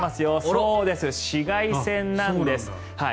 そうです、紫外線なんです。